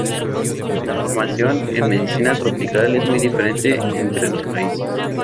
La formación en medicina tropical es muy diferente entre los países.